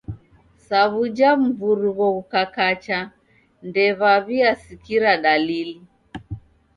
Sa w'uja mvurugho ghukakacha, ndedaw'iasikiria dalili.